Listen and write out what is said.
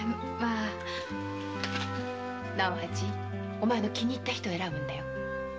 お前の気に入った人選ぶんだよ。